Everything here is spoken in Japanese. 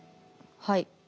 はい。